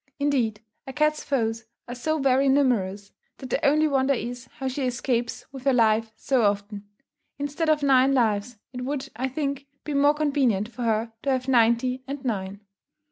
Indeed, a cat's foes are so very numerous, that the only wonder is, how she escapes with her life so often. Instead of nine lives, it would I think, be more convenient for her to have ninety and nine.